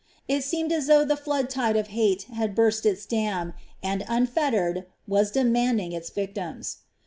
It seemed as though the flood tide of hate had burst its dam and, unfettered, was demanding its victims.